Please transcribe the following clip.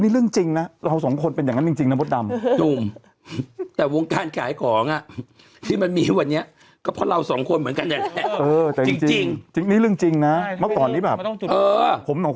เราต้องเปลี่ยนไปตามสภาพแบตรอม